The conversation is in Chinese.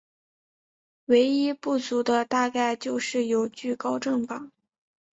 唯一不足的大概就是有惧高症吧。